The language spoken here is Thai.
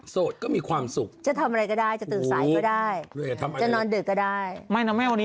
สบายจริง